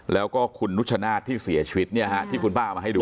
แล้วก็คุณนุชนาธิ์ที่เสียชีวิตที่คุณป้าเอามาให้ดู